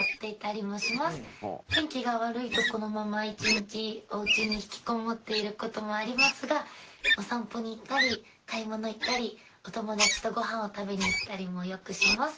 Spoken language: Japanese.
天気が悪いとこのまま１日おうちに引きこもっている事もありますがお散歩に行ったり買い物行ったりお友達とごはんを食べに行ったりもよくします。